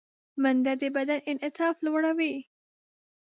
منډه د بدن انعطاف لوړوي